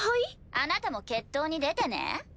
あなたも決闘に出てね。